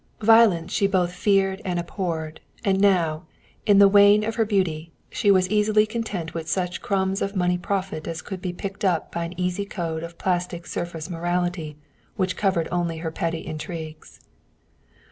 Violence she both feared and abhorred, and now, in the wane of her beauty, she was easily content with such crumbs of money profit as could be picked up by an easy code of a plastic surface morality which covered only her petty intrigues.